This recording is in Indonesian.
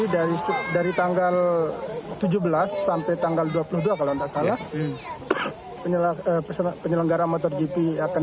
dari dari tanggal tujuh belas sampai tanggal dua puluh dua kalau enggak salah penyelenggara motor gp akan